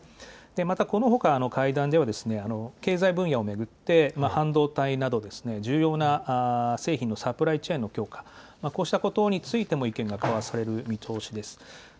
またこのほか、会談では経済分野を巡って半導体など重要な製品のサプライチェーンの強化、こうしたことについても意見が交わされる見通しです。